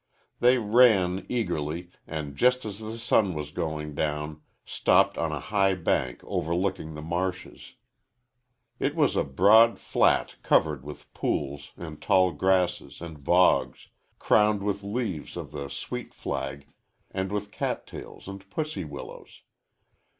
They ran, eagerly, and, just as the sun was going down, stopped on a high bank overlooking the marshes. It was a broad flat covered with pools and tall grasses and bogs, crowned with leaves of the sweet flag and with cattails and pussy willows.